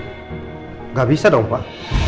tidak bisa dong pak